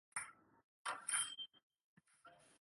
其一般栖息于岩礁以及珊瑚丛附近海区。